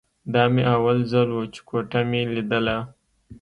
دا مې اول ځل و چې کوټه مې ليدله.